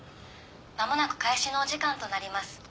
「まもなく開始のお時間となります」